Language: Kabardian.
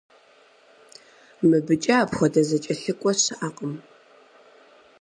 Мыбыкӏэ апхуэдэ зэкӀэлъыкӀуэ щыӀэкъым.